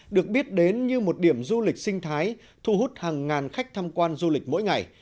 được biết đến như một điểm du lịch sinh thái thu hút hàng ngàn khách tham quan du lịch mỗi ngày